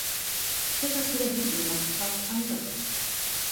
Stell das wieder hin und mach was anderes